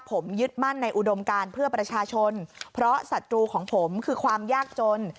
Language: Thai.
ผมยึดมั่นในอุดมการเพื่อประชาชนเพราะศัตรูของผมคือความยากจน